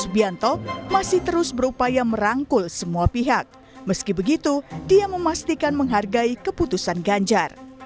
biantop masih terus berupaya merangkul semua pihak meski begitu dia memastikan menghargai keputusan ganjar